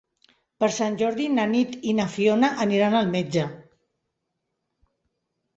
Per Sant Jordi na Nit i na Fiona aniran al metge.